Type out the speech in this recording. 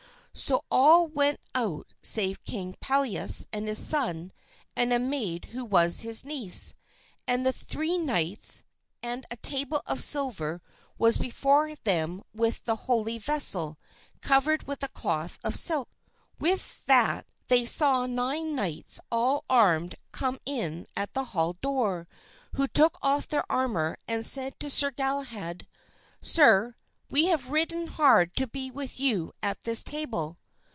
So all went out save King Pelleas and his son and a maid who was his niece, and the three knights; and a table of silver was before them with the holy vessel, covered with a cloth of silk. With that they saw nine knights all armed come in at the hall door, who took off their armor and said to Sir Galahad, "Sir, we have ridden hard to be with you at this table."